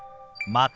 「また」。